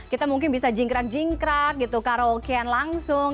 kita mungkin bisa jingkrak jingkrak gitu karaoke an langsung